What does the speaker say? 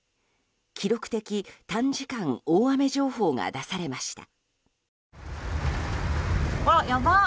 記録的短時間大雨情報が出されました。